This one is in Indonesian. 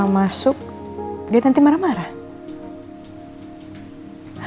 masuk dia nanti marah marah